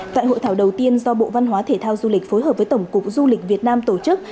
tại hội thảo đầu tiên do bộ văn hóa thể thao du lịch phối hợp với tổng cục du lịch việt nam tổ chức